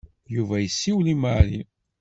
Yuba yessiwel i Mary.